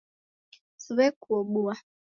Siw'ekuobua